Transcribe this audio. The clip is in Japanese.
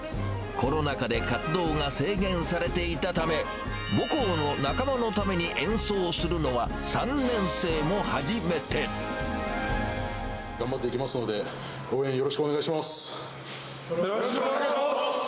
コロナ禍で活動が制限されていたため、母校の仲間のために演奏す頑張っていきますので、よろしくお願いします。